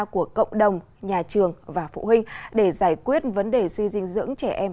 của cộng đồng nhà trường và phụ huynh để giải quyết vấn đề suy dinh dưỡng trẻ em